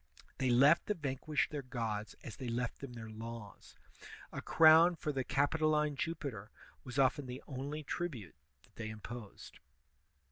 They left the vanquished their gods as they left them their laws. A crown for the Capitoline Jupiter was often the only tribute that they imix)sed.